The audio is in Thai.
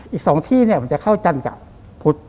อีก๒ที่มันจะเข้าจันทร์กับพุทธ